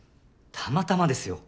たまたまですよ。